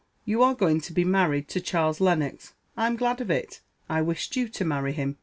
You are going to be married to Charles Lennox. I'm glad of it. I wished you to marry him.